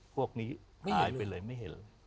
พวกนี้หายไปเลยไม่เห็นเลย